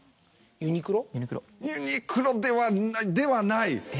ユニクロではない。